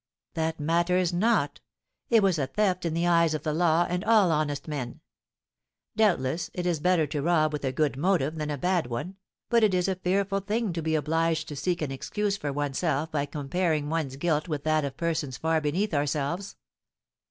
"That matters not, it was a theft in the eyes of the law and all honest men. Doubtless it is better to rob with a good motive than a bad one, but it is a fearful thing to be obliged to seek an excuse for oneself by comparing one's own guilt with that of persons far beneath ourselves.